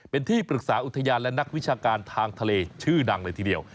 เป็นที่ปรึกษาอุทยานและนักวิชาการทางทะเลชื่อดังเลยทีเดียว